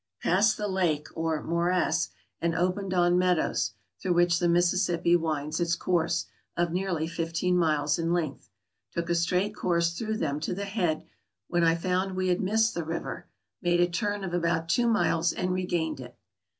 Passed the lake or morass, and opened on meadows (through which the Mississippi winds its course) of nearly fifteen miles in length. Took a straight course through them to the head, when I found we had missed the river; made a turn of about two miles and regained it.